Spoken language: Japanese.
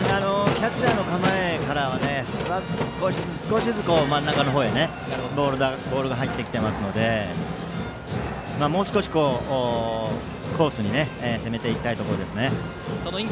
キャッチャーの構えから少しずつ真ん中の方へボールが入ってきていますのでもう少しコースに攻めていきたいところですね。